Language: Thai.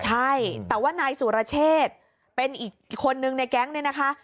ใช่แต่ว่านายสุรเชษเป็นอีกคนนึงในแก๊งเนี่ยนะคะ